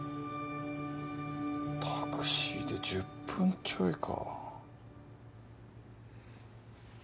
タクシーで１０分ちょいか。